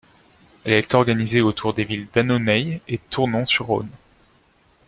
Elle est organisée autour des villes d'Annonay et Tournon-sur-Rhône.